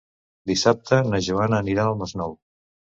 Dissabte na Joana anirà al Masnou.